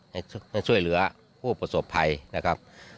จะช่วยเหลือผู้ประสบภัยนะครับ